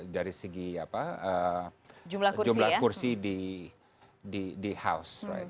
dari segi jumlah kursi di house